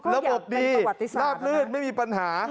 ระบบดีลาบลื่นไม่มีปัญหา